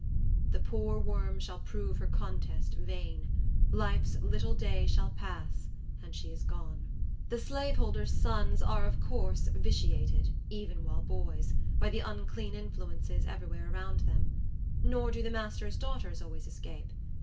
The poor worm Shall prove her contest vain. Life's little day Shall pass, and she is gone! The slaveholder's sons are, of course, vitiated, even while boys, by the unclean influences every where around them. Nor do the master's daughters always escape.